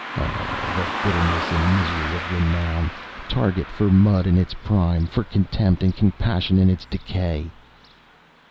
Oh, the bitterness and misery of renown! target for mud in its prime, for contempt and compassion in its decay."